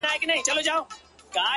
زه درته څه ووايم،